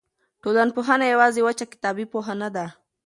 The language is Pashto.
ټولنپوهنه یوازې وچه کتابي پوهه نه ده.